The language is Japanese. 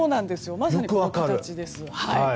まさにこの形です。